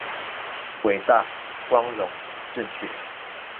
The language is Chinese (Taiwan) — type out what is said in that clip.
偉大、光榮、正確